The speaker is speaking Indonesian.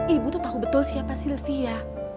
ibu tuh tahu betul siapa sylvia